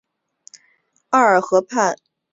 奥尔河畔勒普若。